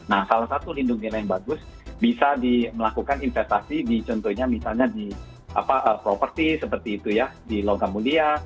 nah salah satu lindung nilai yang bagus bisa melakukan investasi di contohnya misalnya di properti seperti itu ya di logam mulia